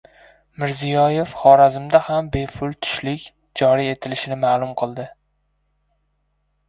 Mirziyoyev Xorazmda ham bepul tushlik joriy etilishini ma’lum qildi